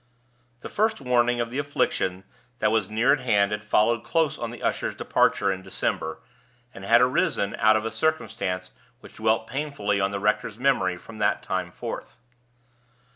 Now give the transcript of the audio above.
The first warning of the affliction that was near at hand had followed close on the usher's departure in December, and had arisen out of a circumstance which dwelt painfully on the rector's memory from that time forth.